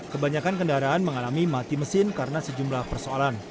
kebanyakan kendaraan mengalami mati mesin karena sejumlah persoalan